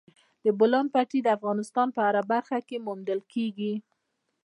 د بولان پټي د افغانستان په هره برخه کې موندل کېږي.